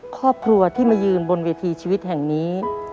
ครอบครัวที่มายืนบนเวทีชีวิตแห่งนี้